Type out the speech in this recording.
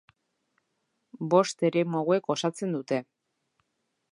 Bost eremu hauek osatzen dute.